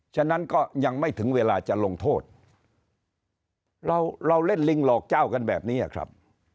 ฉะนั้นก็ยังไม่ถึงเวลาจะลงโทษเราเราเล่นลิงหลอกเจ้ากันแบบนี้ครับ